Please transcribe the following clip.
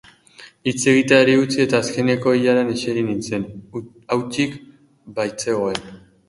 Hitz egiteari utzi eta azkeneko ilaran eseri nintzen, hutsik baitzegoen.